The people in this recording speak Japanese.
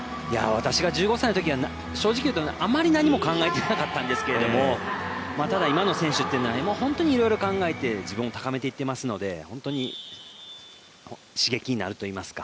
私が１５歳のときは正直いうとあまり何も考えてなかったんですけどただ、今の選手っていうのは本当にいろいろ考えて自分を高めていっていますので本当に刺激になるといいますか。